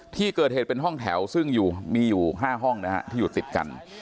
ที่เกิดเหตุเป็นห้องแถวซึ่งมีอยู่๕ห้องนะฮะที่อยู่ติดกัน